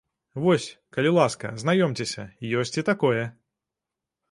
Вось, калі ласка, знаёмцеся, ёсць і такое!